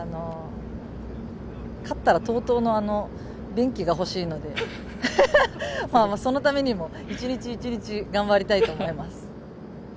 勝ったらＴＯＴＯの便器が欲しいので、そのためにも、一日一日頑張りたいと思います。